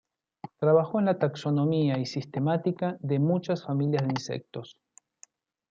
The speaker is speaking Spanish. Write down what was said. Trabajó en la taxonomía y sistemática de muchas familias de insectos.